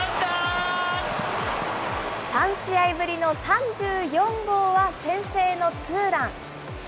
３試合ぶりの３４号は先制のツーラン。